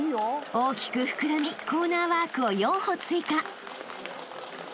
［大きく膨らみコーナーワークを４歩追加］